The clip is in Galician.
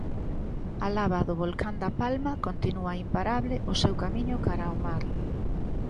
A lava do volcán da Palma continúa imparable o seu camiño cara ao mar.